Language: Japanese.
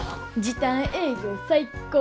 時短営業最高。